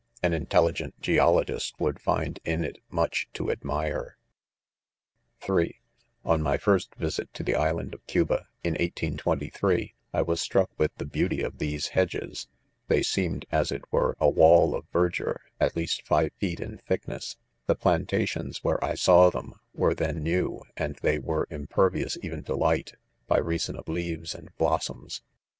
An intelligent geologist "Would ^nd, in it, much to admire* (3) On my first visit to the island of Cuba (in 1823)/ i was struck with the beauty of these hedges.: thej seem * ed 5 as it were, a Wall of verdure^ at least five feet in thickness. The plantations where 1 saw them, were then new, and they were impervious even to light, by reason of leaves and blossoms.